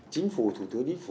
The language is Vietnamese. chính phủ thủ tướng chính phủ